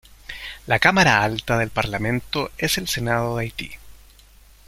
La cámara alta del Parlamento es el Senado de Haití.